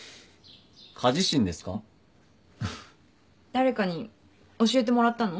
誰かに教えてもらったの？